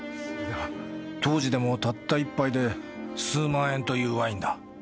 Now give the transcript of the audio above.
当時でもたった１杯で数万円というワインだ。